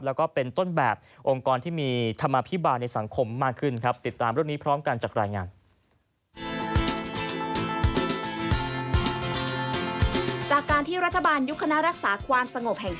และก็เป็นต้นแบบองค์กรที่มีธรรมาภิบาลในสังคมมากขึ้นครับ